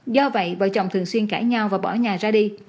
do vậy vợ chồng thường xuyên cãi nhau và bỏ nhà ra đi